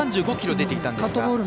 １３５キロ出ていたんですが。